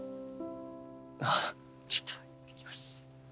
あっちょっと行ってきます。